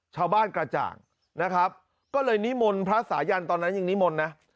ชาวบ้านกระจ่างนะครับก็เลยนิมนต์พระสายันตอนนั้นยังนิมนต์นะ